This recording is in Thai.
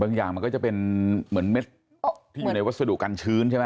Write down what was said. อย่างมันก็จะเป็นเหมือนเม็ดที่อยู่ในวัสดุกันชื้นใช่ไหม